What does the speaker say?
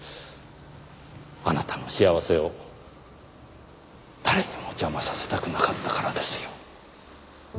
あなたの幸せを誰にも邪魔させたくなかったからですよ。